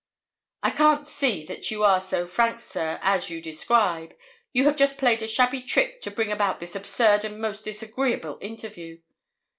'I can't see that you are so frank, sir, as you describe; you have just played a shabby trick to bring about this absurd and most disagreeable interview.'